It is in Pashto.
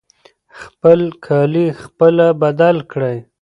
خپل کالي خپله بدل کړئ.